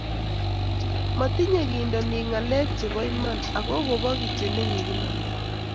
matinye kindonik ngalek che bo iman ako kobo kito nekikinamda